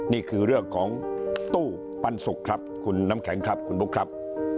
นี่คือเรื่องของตู้ปันสุกครับคุณน้ำแข็งครับคุณบุ๊คครับ